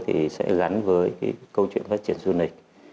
thì sẽ gắn với cái câu chuyện phát triển du lịch